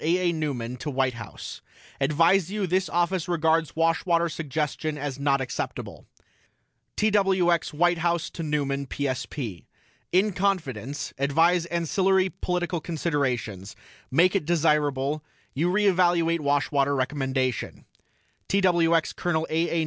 A. A. NEUMAN TO WHITE HOUSE: ADVISE YOU THIS OFFICE REGARDS WASHWATER SUGGESTION AS NOT ACCEPTABLE TWX WHITE HOUSE TO NEUMAN PSP: IN CONFIDENCE ADVISE ANCILLARY POLITICAL CONSIDERATIONS MAKE IT DESIRABLE YOU RE EVALUATE WASHWATER RECOMMENDATION TWX COL. A. A.